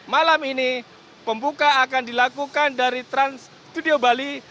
malam ini pembuka akan dilakukan dari trans studio bali